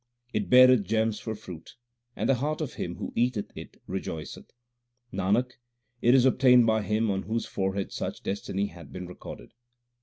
It beareth gems for fruit, and the heart of him who eateth it rejoiceth. Nanak, it is obtained by him on whose forehead such destiny hath been recorded.